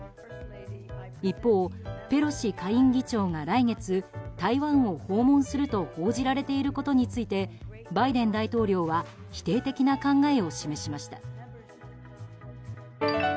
一方、ペロシ下院議長が来月、台湾を訪問すると報じられていることについてバイデン大統領は否定的な考えを示しました。